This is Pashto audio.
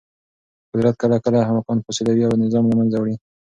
قدرت کله کله احمقان فاسدوي او نظام له منځه وړي.